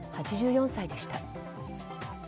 ８４歳でした。